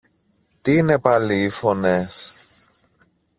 Τι είναι πάλι οι φωνές;